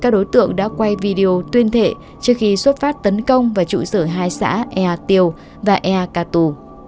các đối tượng đã quay video tuyên thệ trước khi xuất phát tấn công và trụ sở hai xã ea tiều và ea katu